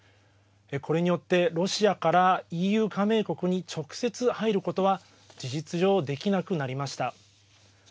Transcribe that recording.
これによってロシアからＥＵ加盟国に直接入ることは事実上できなくなりました。